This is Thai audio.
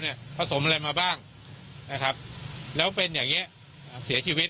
ผสมอะไรมาบ้างนะครับแล้วเป็นอย่างนี้เสียชีวิต